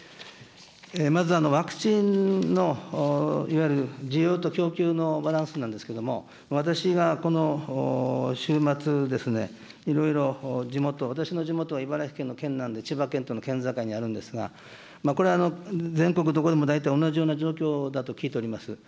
まず、ワクチンのいわゆる需要と供給のバランスなんですけれども、私がこの週末ですね、いろいろ地元、私の地元は茨城県の県南で、千葉県との県境にあるんですが、これは全国どこでも大体同じような状況だと聞いております。